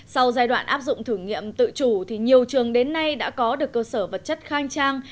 sau giai đoạn áp dụng thử nghiệm tự chủ thì nhiều trường đến nay đã có được cơ sở vật chất khang trang